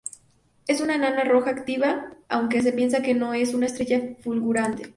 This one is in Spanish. Es una enana roja activa, aunque se piensa que no es una estrella fulgurante.